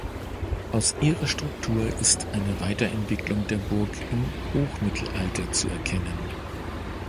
Aus ihrer Struktur ist eine Weiterentwicklung der Burg im Hochmittelalter zu erkennen.